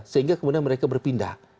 sehingga kemudian mereka berpindah